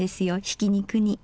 ひき肉に。